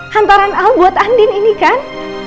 hantaran allah buat andin ini kan